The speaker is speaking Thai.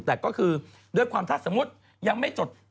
แต่ก็คือด้วยความถ้าสมมุติยังไม่จด